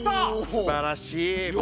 すばらしい。